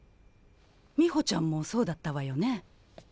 美穂ちゃんもそうだったわよね？